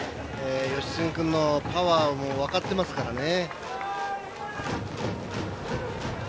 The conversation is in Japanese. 吉次君のパワーも分かってますからね。